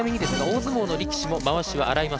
大相撲の力士もまわしは洗いません。